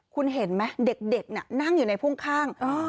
คุณเห็นไหมเด็กน่ะนั่งอยู่ในพ่วงข้าง